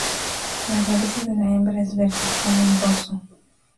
La cabeza de la hembra es verde, como el dorso.